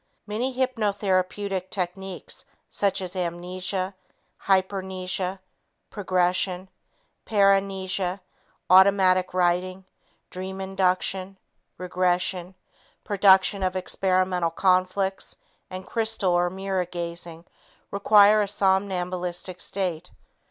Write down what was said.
Many hypnotherapeutic techniques such as amnesia, hypermnesia, progression, paramnesia, automatic writing, dream induction, regression, production of experimental conflicts and crystal or mirror gazing require a somnambulistic state.